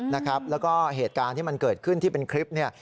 แล้วก็เหตุการณ์ที่มันเกิดขึ้นที่เป็นคลิปเนี่ย